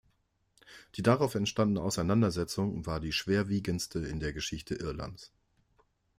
Die darauf entstandene Auseinandersetzung war die schwerwiegendste in der Geschichte Irlands.